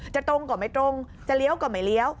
ตรงก็ไม่ตรงจะเลี้ยวก็ไม่เลี้ยว